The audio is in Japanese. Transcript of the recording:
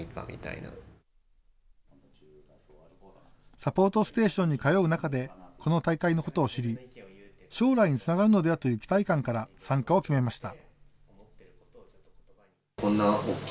サポートステーションに通う中でこの大会のことを知り将来につながるのではという期待感から参加を決めました。